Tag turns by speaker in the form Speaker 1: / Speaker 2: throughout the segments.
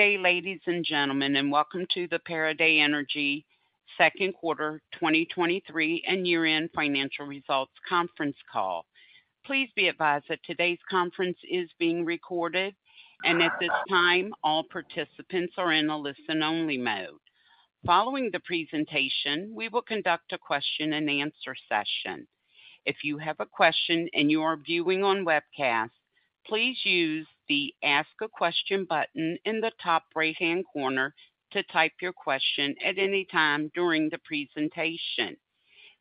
Speaker 1: Good day, ladies and gentlemen, and welcome to the Pieridae Energy Second Quarter 2023 and Year-End Financial Results Conference Call. Please be advised that today's conference is being recorded, and at this time, all participants are in a listen-only mode. Following the presentation, we will conduct a question-and-answer session. If you have a question and you are viewing on webcast, please use the Ask a Question button in the top right-hand corner to type your question at any time during the presentation.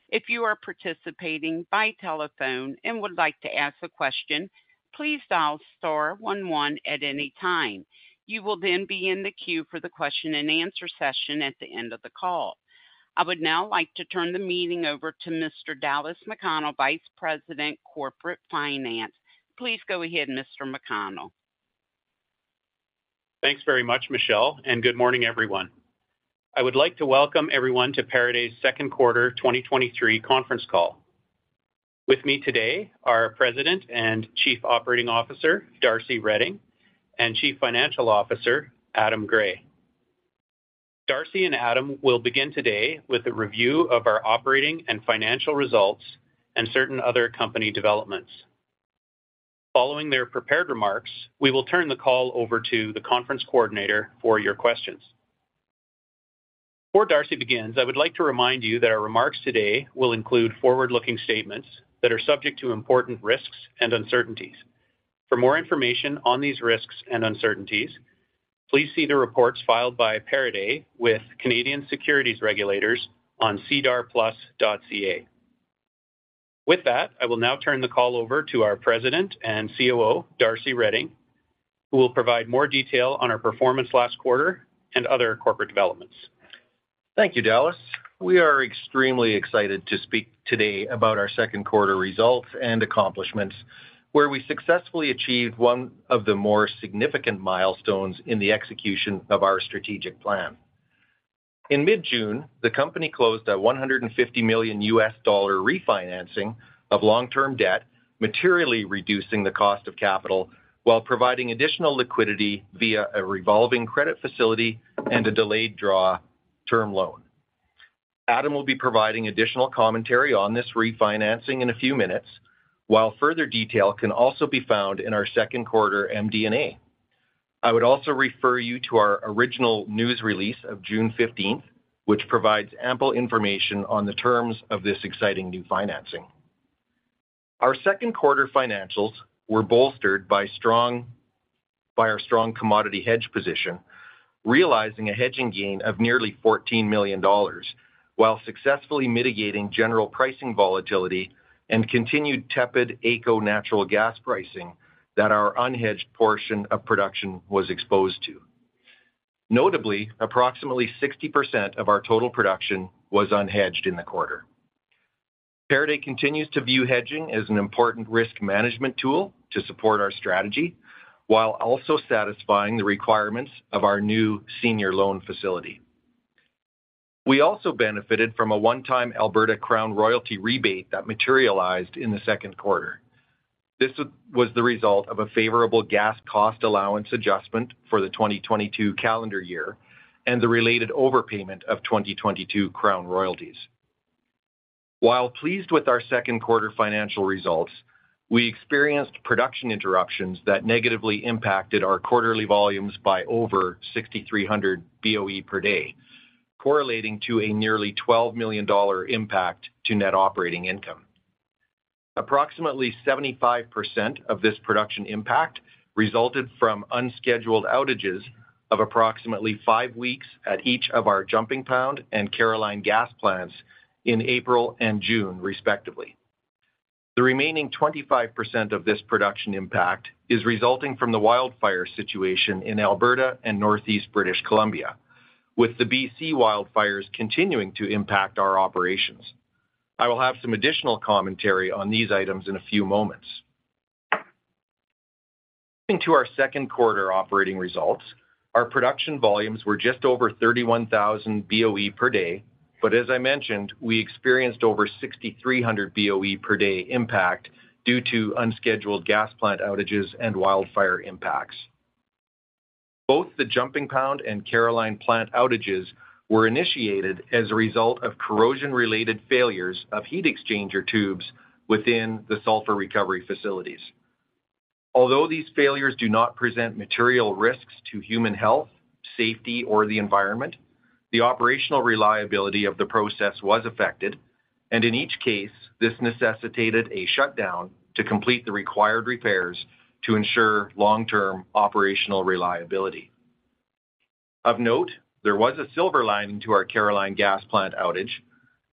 Speaker 1: If you are participating by telephone and would like to ask a question, please dial star one one at any time. You will then be in the queue for the question-and-answer session at the end of the call. I would now like to turn the meeting over to Mr. Dallas McConnell, Vice President, Corporate Finance. Please go ahead, Mr. McConnell.
Speaker 2: Thanks very much, Michelle. Good morning, everyone. I would like to welcome everyone to Pieridae Second Quarter 2023 Conference Call. With me today, our President and Chief Operating Officer, Darcy Reding, and Chief Financial Officer, Adam Gray. Darcy and Adam will begin today with a review of our operating and financial results and certain other company developments. Following their prepared remarks, we will turn the call over to the conference coordinator for your questions. Before Darcy begins, I would like to remind you that our remarks today will include forward-looking statements that are subject to important risks and uncertainties. For more information on these risks and uncertainties, please see the reports filed by Pieridae with Canadian Securities Administrators on sedarplus.ca. I will now turn the call over to our President and COO, Darcy Reding, who will provide more detail on our performance last quarter and other corporate developments.
Speaker 3: Thank you, Dallas. We are extremely excited to speak today about our second quarter results and accomplishments, where we successfully achieved one of the more significant milestones in the execution of our strategic plan. In mid-June, the company closed a $150 million refinancing of long-term debt, materially reducing the cost of capital, while providing additional liquidity via a revolving credit facility and a delayed draw term loan. Adam will be providing additional commentary on this refinancing in a few minutes, while further detail can also be found in our second quarter MD&A. I would also refer you to our original news release of June 15th, which provides ample information on the terms of this exciting new financing. Our second quarter financials were bolstered by our strong commodity hedge position, realizing a hedging gain of nearly 14 million dollars, while successfully mitigating general pricing volatility and continued tepid AECO natural gas pricing that our unhedged portion of production was exposed to. Notably, approximately 60% of our total production was unhedged in the quarter. Pieridae continues to view hedging as an important risk management tool to support our strategy, while also satisfying the requirements of our new senior loan facility. We also benefited from a one-time Alberta Crown royalty rebate that materialized in the second quarter. This was the result of a favorable gas cost allowance adjustment for the 2022 calendar year and the related overpayment of 2022 Crown royalties. While pleased with our second quarter financial results, we experienced production interruptions that negatively impacted our quarterly volumes by over 6,300 BOE per day, correlating to a nearly 12 million dollar impact to net operating income. Approximately 75% of this production impact resulted from unscheduled outages of approximately five weeks at each of our Jumping Pound and Caroline gas plants in April and June, respectively. The remaining 25% of this production impact is resulting from the wildfire situation in Alberta and Northeast British Columbia, with the BC wildfires continuing to impact our operations. I will have some additional commentary on these items in a few moments. Moving to our second quarter operating results, our production volumes were just over 31,000 BOE per day, As I mentioned, we experienced over 6,300 BOE per day impact due to unscheduled gas plant outages and wildfire impacts. Both the Jumping Pound and Caroline plant outages were initiated as a result of corrosion-related failures of heat exchanger tubes within the sulfur recovery facilities. Although these failures do not present material risks to human health, safety, or the environment, the operational reliability of the process was affected, and in each case, this necessitated a shutdown to complete the required repairs to ensure long-term operational reliability. Of note, there was a silver lining to our Caroline gas plant outage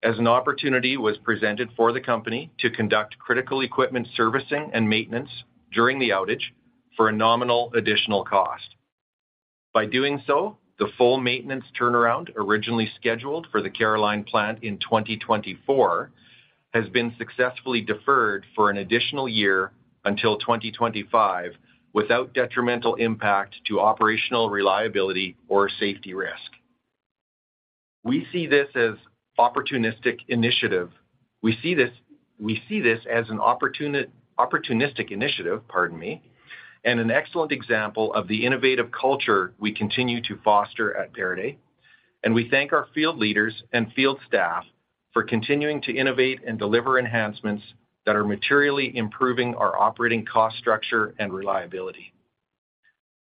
Speaker 3: as an opportunity was presented for the company to conduct critical equipment servicing and maintenance during the outage for a nominal additional cost. By doing so, the full maintenance turnaround, originally scheduled for the Caroline plant in 2024, has been successfully deferred for an additional year until 2025, without detrimental impact to operational reliability or safety risk. We see this as opportunistic initiative. We see this, we see this as an opportunistic initiative, pardon me, and an excellent example of the innovative culture we continue to foster at Pieridae. We thank our field leaders and field staff for continuing to innovate and deliver enhancements that are materially improving our operating cost, structure, and reliability.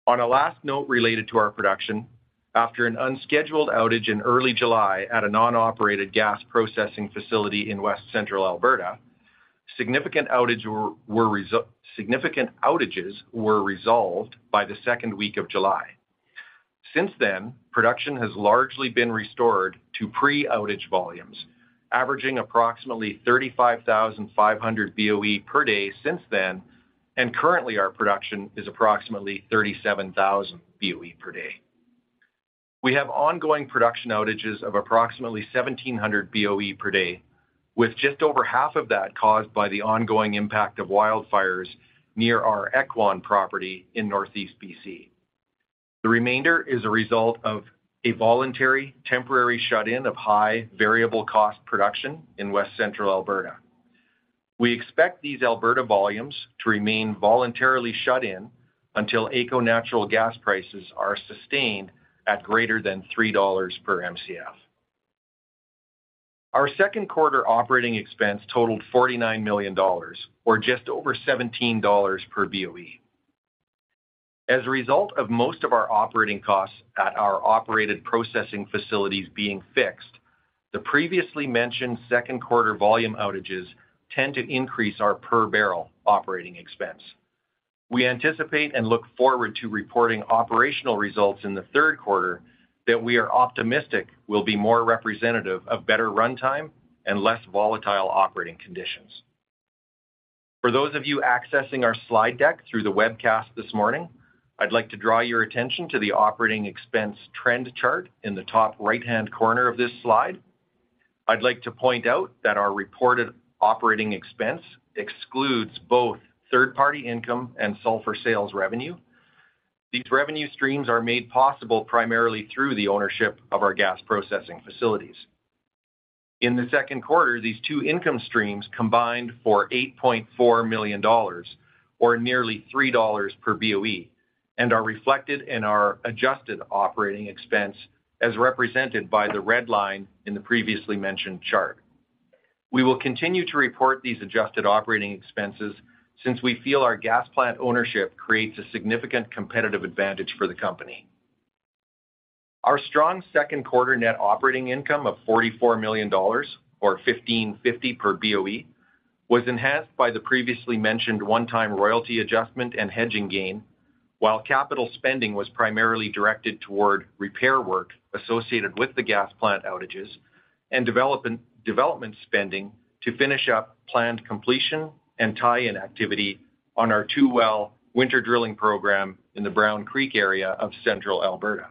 Speaker 3: On a last note related to our production, after an unscheduled outage in early July at a non-operated gas processing facility in West Central Alberta, significant outages were resolved by the second week of July. Since then, production has largely been restored to pre-outage volumes, averaging approximately 35,500 BOE per day since then, and currently, our production is approximately 37,000 BOE per day. We have ongoing production outages of approximately 1,700 BOE per day, with just over half of that caused by the ongoing impact of wildfires near our Ekwan property in Northeast BC. The remainder is a result of a voluntary, temporary shut-in of high variable cost production in West Central Alberta. We expect these Alberta volumes to remain voluntarily shut in until AECO natural gas prices are sustained at greater than 3 dollars per Mcf. Our second quarter operating expense totaled 49 million dollars or just over 17 dollars per BOE. As a result of most of our operating costs at our operated processing facilities being fixed, the previously mentioned second quarter volume outages tend to increase our per barrel operating expense. We anticipate and look forward to reporting operational results in the third quarter that we are optimistic will be more representative of better runtime and less volatile operating conditions. For those of you accessing our slide deck through the webcast this morning, I'd like to draw your attention to the operating expense trend chart in the top right-hand corner of this slide. I'd like to point out that our reported operating expense excludes both third-party income and sulfur sales revenue. These revenue streams are made possible primarily through the ownership of our gas processing facilities. In the second quarter, these two income streams combined for 8.4 million dollars, or nearly 3 dollars per BOE, and are reflected in our adjusted operating expense, as represented by the red line in the previously mentioned chart. We will continue to report these adjusted operating expenses since we feel our gas plant ownership creates a significant competitive advantage for the company. Our strong second quarter net operating income of 44 million dollars, or 15.50 per BOE, was enhanced by the previously mentioned one-time royalty adjustment and hedging gain, while capital spending was primarily directed toward repair work associated with the gas plant outages and development, development spending to finish up planned completion and tie-in activity on our two well winter drilling program in the Brown Creek area of Central Alberta.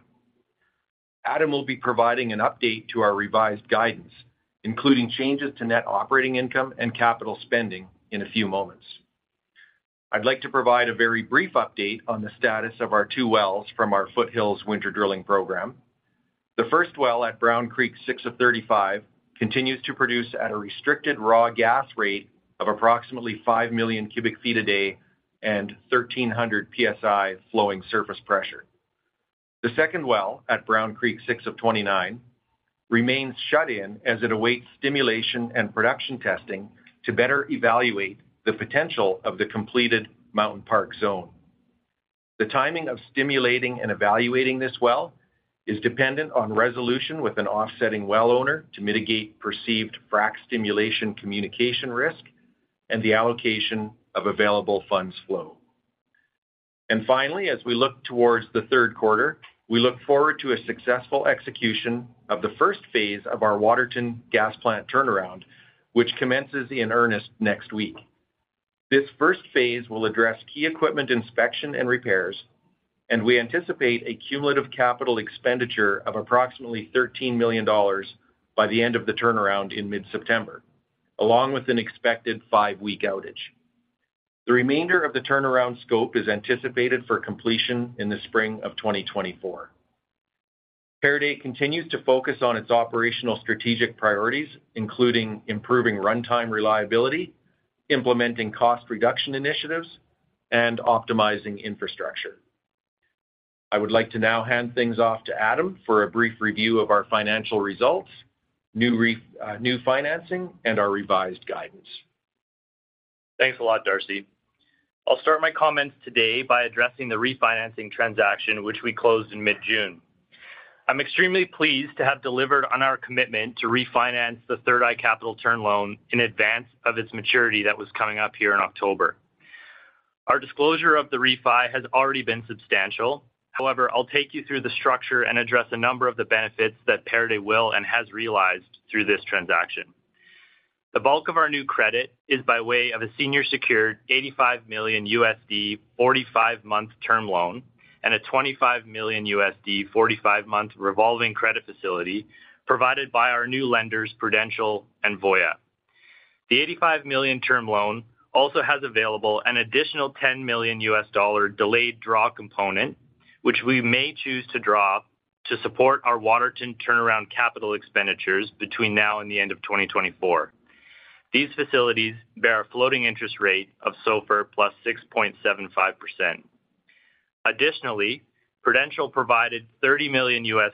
Speaker 3: Adam will be providing an update to our revised guidance, including changes to net operating income and capital spending in a few moments. I'd like to provide a very brief update on the status of our two wells from our Foothills Winter Drilling program. The first well at Brown Creek 6-35 continues to produce at a restricted raw gas rate of approximately 5 million cu ft a day and 1,300 PSI flowing surface pressure. The second well at Brown Creek 6-29 remains shut in as it awaits stimulation and production testing to better evaluate the potential of the completed Mountain Park zone. The timing of stimulating and evaluating this well is dependent on resolution with an offsetting well owner to mitigate perceived frack stimulation communication risk, and the allocation of available funds flow. Finally, as we look towards the third quarter, we look forward to a successful execution of the first phase of our Waterton gas plant turnaround, which commences in earnest next week. This first phase will address key equipment inspection and repairs, and we anticipate a cumulative capital expenditure of approximately $13 million by the end of the turnaround in mid-September, along with an expected five-week outage. The remainder of the turnaround scope is anticipated for completion in the spring of 2024. Pieridae continues to focus on its operational strategic priorities, including improving runtime reliability, implementing cost reduction initiatives, and optimizing infrastructure. I would like to now hand things off to Adam for a brief review of our financial results, new financing, and our revised guidance.
Speaker 4: Thanks a lot, Darcy. I'll start my comments today by addressing the refinancing transaction, which we closed in mid-June. I'm extremely pleased to have delivered on our commitment to refinance the Third Eye Capital term loan in advance of its maturity that was coming up here in October. Our disclosure of the refi has already been substantial. However, I'll take you through the structure and address a number of the benefits that Pieridae will and has realized through this transaction. The bulk of our new credit is by way of a senior secured $85 million, 45-month term loan and a $25 million, 45-month revolving credit facility provided by our new lenders, Prudential and Voya. The $85 million term loan also has available an additional $10 million delayed draw component, which we may choose to draw to support our Waterton turnaround capital expenditures between now and the end of 2024. These facilities bear a floating interest rate of SOFR plus 6.75%. Additionally, Prudential provided CAD 30 million,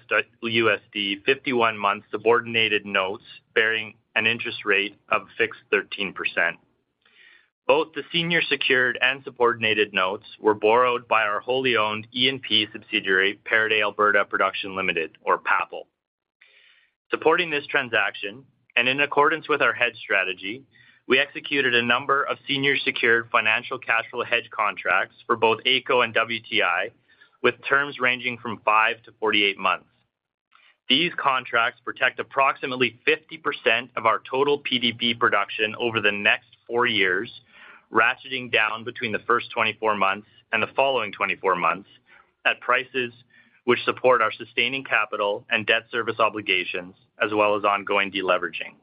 Speaker 4: 51 months subordinated notes, bearing an interest rate of fixed 13%. Both the senior secured and subordinated notes were borrowed by our wholly owned E&P subsidiary, Pieridae Alberta Production Limited, or PAPL. Supporting this transaction, and in accordance with our hedge strategy, we executed a number of senior secured financial cash flow hedge contracts for both AECO and WTI, with terms ranging from five to 48 months. These contracts protect approximately 50% of our total PDP production over the next four years, ratcheting down between the first 24 months and the following 24 months, at prices which support our sustaining capital and debt service obligations, as well as ongoing deleveraging.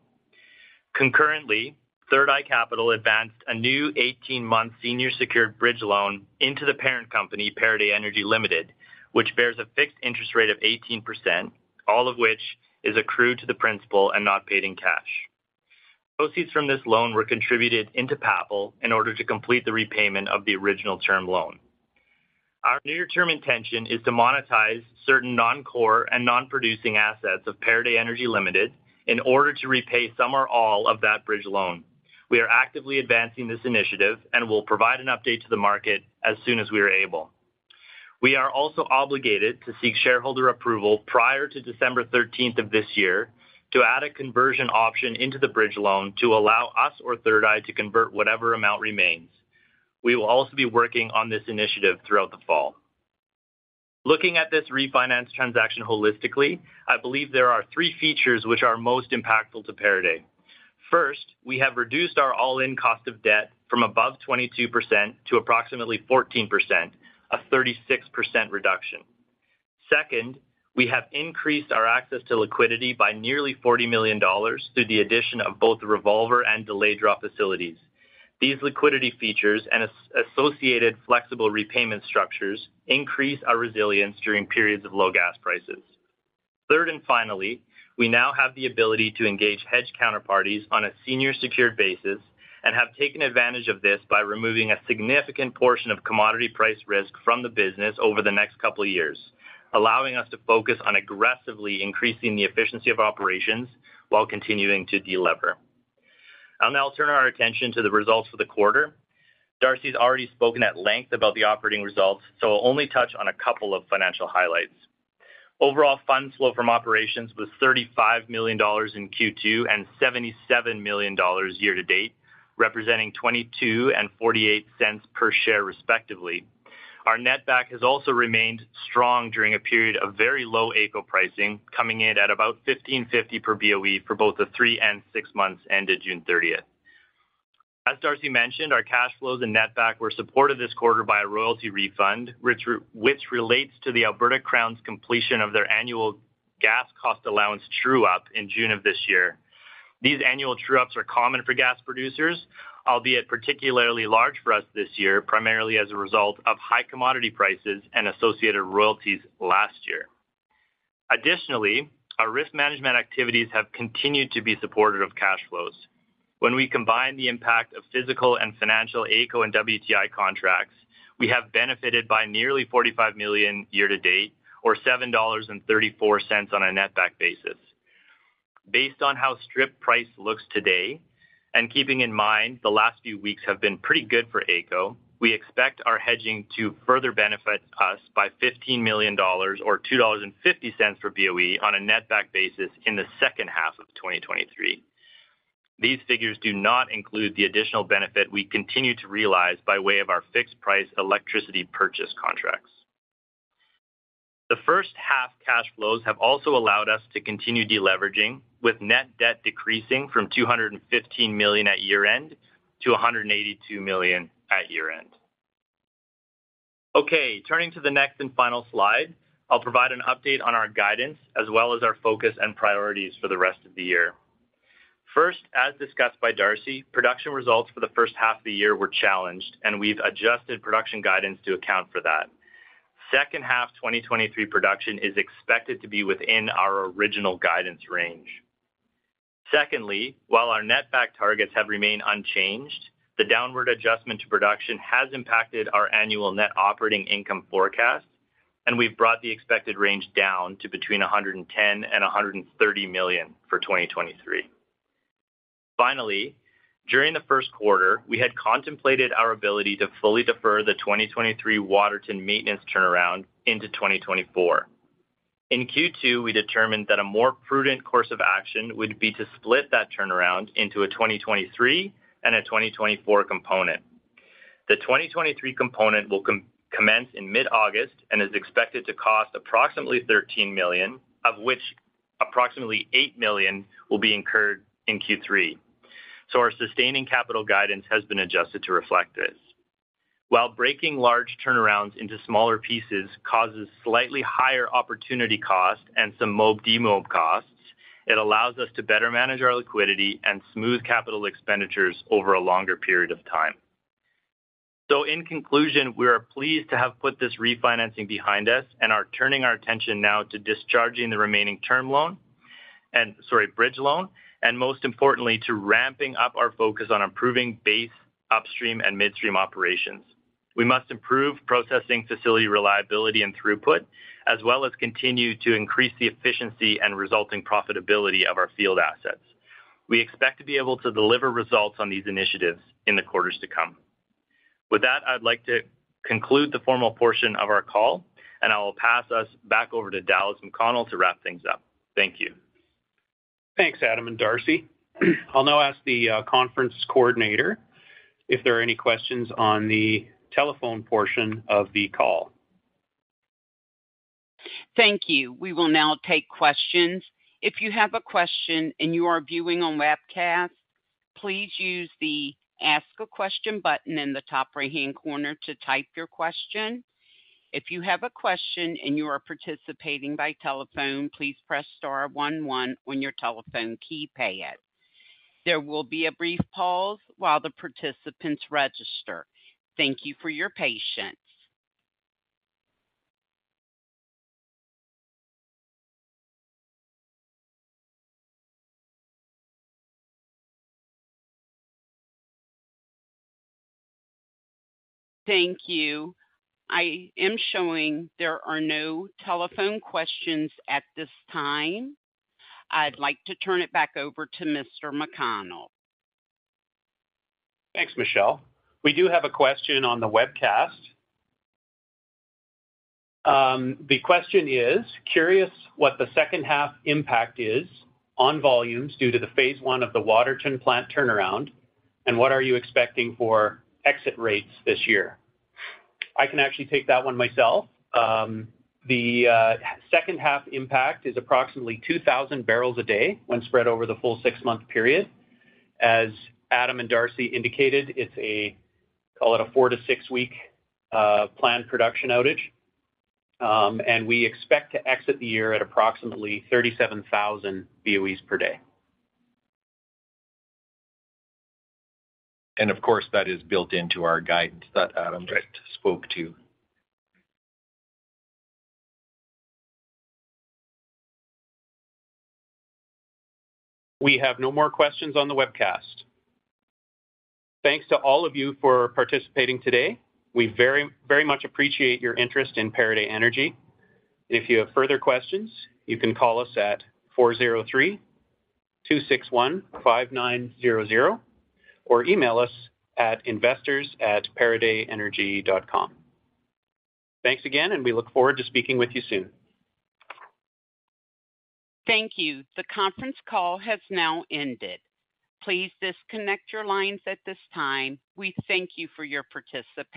Speaker 4: Concurrently, Third Eye Capital advanced a new 18-month senior secured bridge loan into the parent company, Pieridae Energy Ltd., which bears a fixed interest rate of 18%, all of which is accrued to the principal and not paid in cash. Proceeds from this loan were contributed into PAPL in order to complete the repayment of the original term loan. Our near-term intention is to monetize certain non-core and non-producing assets of Pieridae Energy Ltd. in order to repay some or all of that bridge loan. We are actively advancing this initiative and will provide an update to the market as soon as we are able. We are also obligated to seek shareholder approval prior to December 13th of this year, to add a conversion option into the bridge loan to allow us or Third Eye to convert whatever amount remains. We will also be working on this initiative throughout the fall. Looking at this refinance transaction holistically, I believe there are three features which are most impactful to Pieridae Energy. First, we have reduced our all-in cost of debt from above 22% to approximately 14%, a 36% reduction. Second, we have increased our access to liquidity by nearly 40 million dollars through the addition of both the revolver and delayed draw facilities. These liquidity features and associated flexible repayment structures increase our resilience during periods of low gas prices. Third, and finally, we now have the ability to engage hedge counterparties on a senior secured basis and have taken advantage of this by removing a significant portion of commodity price risk from the business over the next couple of years, allowing us to focus on aggressively increasing the efficiency of operations while continuing to delever. I'll now turn our attention to the results for the quarter. Darcy has already spoken at length about the operating results, so I'll only touch on a couple of financial highlights. Overall, fund flow from operations was 35 million dollars in Q2 and 77 million dollars year-to-date, representing 0.22 and 0.48 per share, respectively. Our netback has also remained strong during a period of very low AECO pricing, coming in at about 15.50 per BOE for both the three and six months ended June 30th. As Darcy mentioned, our cash flows and netback were supported this quarter by a royalty refund, which relates to the Alberta Crown's completion of their annual gas cost allowance true-up in June of this year. These annual true-ups are common for gas producers, albeit particularly large for us this year, primarily as a result of high commodity prices and associated royalties last year. Our risk management activities have continued to be supportive of cash flows. When we combine the impact of physical and financial AECO and WTI contracts, we have benefited by nearly 45 million year-to-date, or 7.34 dollars on a netback basis. Based on how strip price looks today, and keeping in mind the last few weeks have been pretty good for AECO, we expect our hedging to further benefit us by 15 million dollars or 2.50 dollars per BOE on a netback basis in the second half of 2023. These figures do not include the additional benefit we continue to realize by way of our fixed-price electricity purchase contracts. The first half cash flows have also allowed us to continue deleveraging, with net debt decreasing from 215 million at year-end to 182 million at year-end. Turning to the next and final slide, I'll provide an update on our guidance, as well as our focus and priorities for the rest of the year. First, as discussed by Darcy, production results for the first half of the year were challenged, and we've adjusted production guidance to account for that. Second half 2023 production is expected to be within our original guidance range. Secondly, while our netback targets have remained unchanged, the downward adjustment to production has impacted our annual net operating income forecast, and we've brought the expected range down to between 110 million and 130 million for 2023. Finally, during the first quarter, we had contemplated our ability to fully defer the 2023 Waterton maintenance turnaround into 2024. In Q2, we determined that a more prudent course of action would be to split that turnaround into a 2023 and a 2024 component. The 2023 component will commence in mid-August and is expected to cost approximately 13 million, of which approximately 8 million will be incurred in Q3. Our sustaining capital guidance has been adjusted to reflect this. While breaking large turnarounds into smaller pieces causes slightly higher opportunity costs and some mob/demob costs, it allows us to better manage our liquidity and smooth capital expenditures over a longer period of time. In conclusion, we are pleased to have put this refinancing behind us and are turning our attention now to discharging the remaining term loan and, sorry, bridge loan, and most importantly, to ramping up our focus on improving base upstream and midstream operations. We must improve processing, facility, reliability, and throughput, as well as continue to increase the efficiency and resulting profitability of our field assets. We expect to be able to deliver results on these initiatives in the quarters to come. With that, I'd like to conclude the formal portion of our call, and I will pass us back over to Dallas McConnell to wrap things up. Thank you.
Speaker 2: Thanks, Adam and Darcy. I'll now ask the conference coordinator if there are any questions on the telephone portion of the call.
Speaker 1: Thank you. We will now take questions. If you have a question and you are viewing on webcast, please use the Ask a Question button in the top right-hand corner to type your question. If you have a question and you are participating by telephone, please press star one, one on your telephone keypad. There will be a brief pause while the participants register. Thank you for your patience. Thank you. I am showing there are no telephone questions at this time. I'd like to turn it back over to Mr. McConnell.
Speaker 2: Thanks, Michelle. We do have a question on the webcast. The question is: Curious what the second half impact is on volumes due to the phase one of the Waterton plant turnaround, and what are you expecting for exit rates this year? I can actually take that one myself. The second half impact is approximately 2,000 bbl a day when spread over the full six-month period. As Adam and Darcy indicated, it's a, call it a four to six-week planned production outage. We expect to exit the year at approximately 37,000 BOEs per day. of course, that is built into our guidance that Adam...
Speaker 4: Right.
Speaker 3: Just spoke to.
Speaker 2: We have no more questions on the webcast. Thanks to all of you for participating today. We very, very much appreciate your interest in Pieridae Energy. If you have further questions, you can call us at 403-261-5900, or email us at investors@pieridaeenergy.com. Thanks again, and we look forward to speaking with you soon.
Speaker 1: Thank you. The conference call has now ended. Please disconnect your lines at this time. We thank you for your participation.